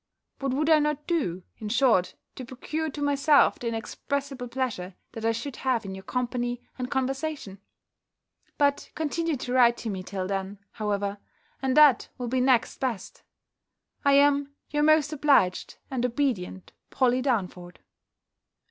What would I not do, in short, to procure to myself the inexpressible pleasure that I should have in your company and conversation? But continue to write to me till then, however, and that will be next best. I am your most obliged and obedient POLLY DARNFORD.